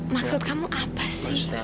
maksud kamu apa sih